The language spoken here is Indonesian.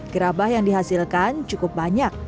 gerabah yang dihasilkan cukup banyak